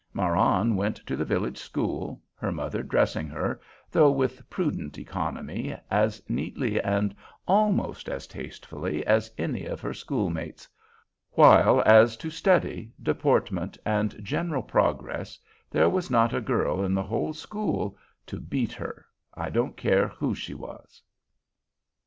Marann went to the village school, her mother dressing her, though with prudent economy, as neatly and almost as tastefully as any of her schoolmates; while, as to study, deportment, and general progress, there was not a girl in the whole school to beat her, I don't care who she was.